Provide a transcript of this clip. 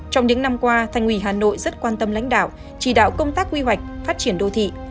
trong những năm qua thành ủy hà nội rất quan tâm lãnh đạo chỉ đạo công tác quy hoạch phát triển đô thị